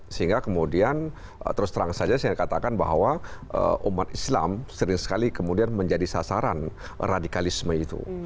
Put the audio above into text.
sehingga kemudian terus terang saja saya katakan bahwa umat islam sering sekali kemudian menjadi sasaran radikalisme itu